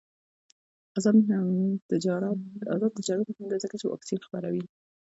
آزاد تجارت مهم دی ځکه چې واکسین خپروي.